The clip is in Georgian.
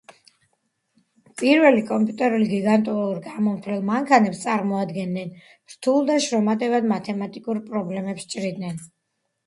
პირველი კომპიუტერები გიგანტურ გამომთვლელ მანქანებს წარმოადგენდნენ, რთულ და შრომატევად მათემატიკურ პრობლემებს ჭრიდნენ